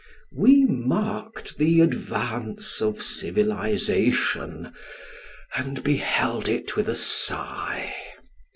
We marked tho advance of civilisation, and beheld it with a sigh.